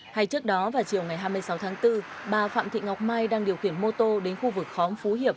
hay trước đó vào chiều ngày hai mươi sáu tháng bốn bà phạm thị ngọc mai đang điều khiển mô tô đến khu vực khóm phú hiệp